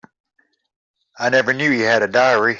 I never knew he had a diary.